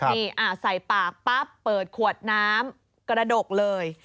นี่ใส่ปากปั๊บเปิดขวดน้ำกระดกเลย